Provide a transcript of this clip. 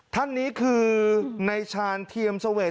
ท่านนี้คือในชาญเทียมเสวด